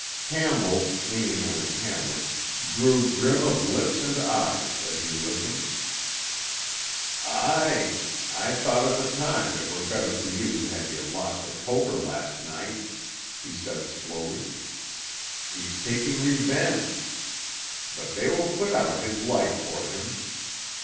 Campbell, leaning on his hammer, grew grim of lips and eyes as he listened. "Aye; I thought at the time it were better for you had ye lost at poker last night," he said slowly. "He's taking revenge. But they will put out his light for him.